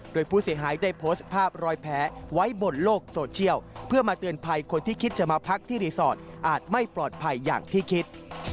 โดยผู้เสียหายได้โพสต์ภาพรอยแพ้ไว้บนโลกโซเชียลเพื่อมาเตือนภัยคนที่คิดจะมาพักที่รีสอร์ทอาจไม่ปลอดภัยอย่างที่คิด